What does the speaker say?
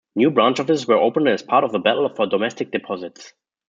New branch offices were opened as part of the battle for domestic deposits.